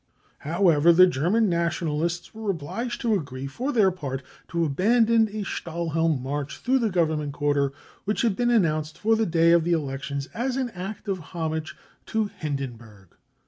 However, the German Nation alists were obliged to agree, for their part, to abandon a Stahlhelm march through the Government quarter, which had been announced for the day of the elections as an act of homage to Hindenburg.